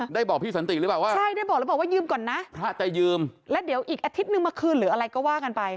บอกพี่สันติหรือเปล่าว่าใช่ได้บอกแล้วบอกว่ายืมก่อนนะพระจะยืมแล้วเดี๋ยวอีกอาทิตย์นึงมาคืนหรืออะไรก็ว่ากันไป